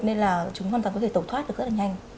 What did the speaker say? nên là chúng hoàn toàn có thể tẩu thoát được rất là nhanh